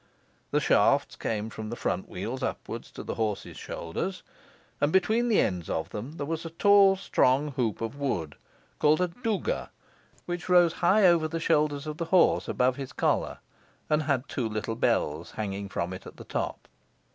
The shafts came from the front wheels upwards to the horse's shoulders, and between the ends of them there was a tall strong hoop of wood, called a douga, which rose high over the shoulders of the horse, above his collar, and had two little bells hanging from it at the top.